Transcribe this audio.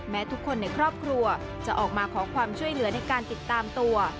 ทุกคนในครอบครัวจะออกมาขอความช่วยเหลือในการติดตามตัว